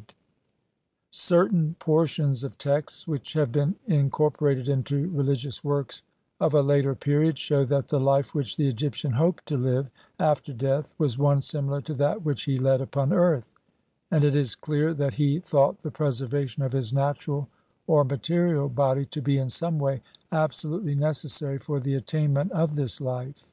XL INTRODUC TION. Certain portions of texts which have been incor porated into religious works of a later period shew that the life which the Egyptian hoped to live after death was one similar to that which he led upon earth, and it is clear that he thought the preservation of his natural or material body to be, in some way, absolutely necessary for the attainment of this life.